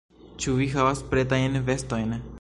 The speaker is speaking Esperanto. Ĉu vi havas pretajn vestojn?